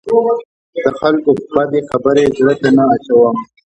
د خلکو بدې خبرې زړه ته نه اچوم.